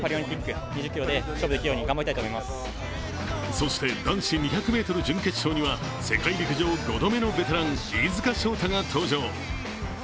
そして男子２００ｍ準決勝には世界陸上５度目のベテラン飯塚翔太が登場。